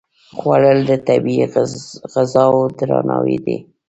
خوړل د طبیعي غذاو درناوی دی